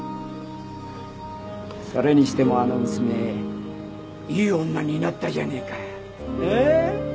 それにしてもあの娘いい女になったじゃねえか。